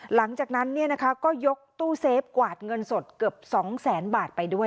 หลังจากนั้นก็ยกตู้เซฟกวาดเงินสดเกือบ๒แสนบาทไปด้วย